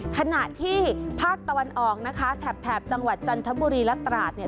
ขณะที่ภาคตะวันออกนะคะแถบจังหวัดจันทบุรีและตราดเนี่ย